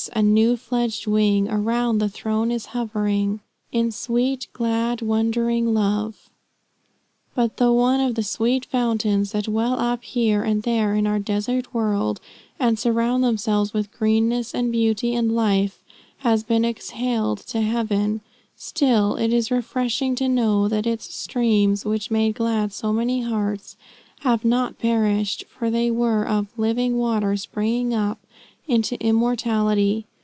a new fledged wing Around the throne is hovering, In sweet, glad, wondering love." But though one of the sweet fountains that well up here and there in our desert world, and surround themselves with greenness, and beauty, and life, has been exhaled to heaven, still it is refreshing to know that its streams, which made glad so many hearts, have not perished, for they were of "living water, springing up" into immortality.